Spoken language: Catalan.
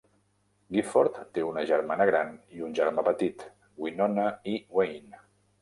Gifford té una germana gran i un germà petit, Winona i Waine.